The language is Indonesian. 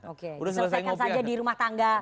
oke diselesaikan saja di rumah tangga koalisi ya